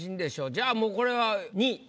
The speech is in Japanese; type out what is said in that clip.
じゃあもうこれは２位。